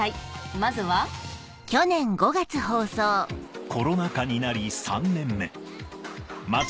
まずはコロナ禍になり３年目。